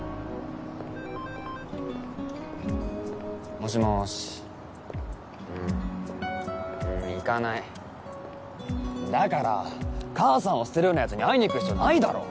もしもしうん行かないだから母さんを捨てるようなヤツに会いに行く必要ないだろ！